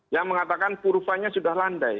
yang mengatakan kurvanya sudah landai